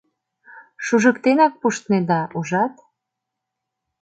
Шужыктенак пуштнеда, ужат?